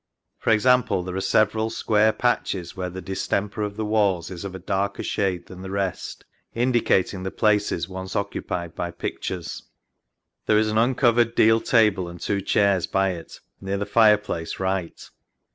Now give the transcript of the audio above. For example, there are several square patches where the distemper of the walls is of a darker shade than the rest, indi cating the places once occupied by pictures. There is an un covered deal table and tico chairs by it near the fireplace right.